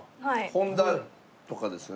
本田とかですよね？